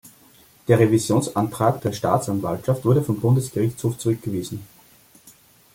Der Revisionsantrag der Staatsanwaltschaft wurde vom Bundesgerichtshof zurückgewiesen.